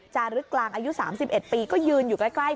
จารึกกลางอายุ๓๑ปีก็ยืนอยู่ใกล้